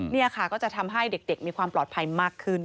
นี่ค่ะก็จะทำให้เด็กมีความปลอดภัยมากขึ้น